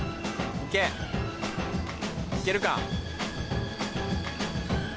行けるか？